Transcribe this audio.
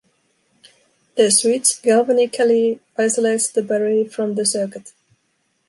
The switch galvanically isolates the battery from the circuit.